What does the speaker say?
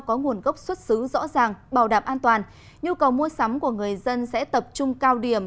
có nguồn gốc xuất xứ rõ ràng bảo đảm an toàn nhu cầu mua sắm của người dân sẽ tập trung cao điểm